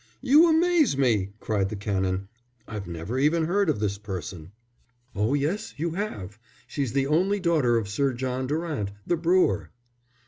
"You amaze me," cried the Canon. "I've never even heard of this person." "Oh, yes, you have; she's the only daughter of Sir John Durant, the brewer."